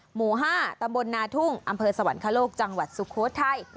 หมู่๕ตำบลนาทุ่งอำเภอสวรรคโลกจังหวัดสุโขทัย